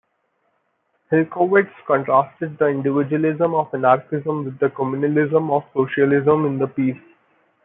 Hillkowitz contrasted the individualism of anarchism with the communalism of socialism in the piece.